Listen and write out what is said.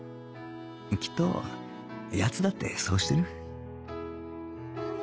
きっと奴だってそうしてる